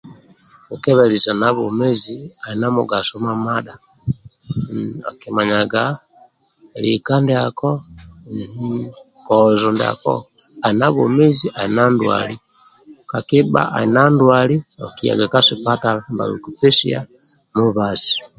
Kwekebelisana bwomezi ali na mugaso mamadha mm akimanyaga lika ndiako mm kozo ndiako ali na bwomezi ali na ndwali. Kakibha ali na ndwali okuyaga ka sipatala bhakupesya mubazi.